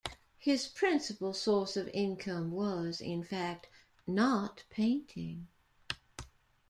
His principal source of income was, in fact, not painting.